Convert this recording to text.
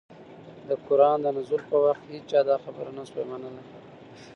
د قرآن د نزول په وخت كي هيچا دا خبره نه شوى منلى